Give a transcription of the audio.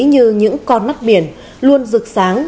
như những con mắt biển luôn rực sáng